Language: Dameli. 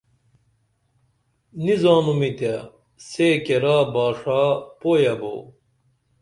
نی زانمی تے سے کیرا باݜا پویہ بو